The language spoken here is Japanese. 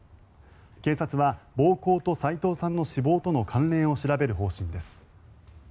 警察は暴行と齋藤さんの死亡との関連を調べる方針です。